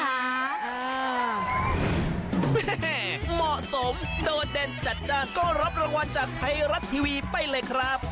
โมสมโดดเด่นจัดจ้างก็รับรางวัลจากไทรัตส์ทีวีไปเลยครับ